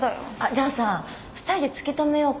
じゃあさ２人で突き止めようか。